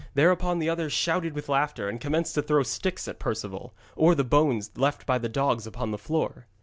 Thereupon the others shouted with laughter, and commenced to throw sticks at Perceval, or the bones left by the dogs upon the floor.